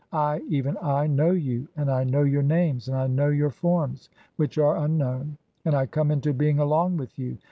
I, even I, know you, and I "know your names, and I know (10) your forms, which are un "known, and I come into being along with you.